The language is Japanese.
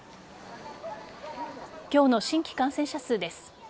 今日の新規感染者数です。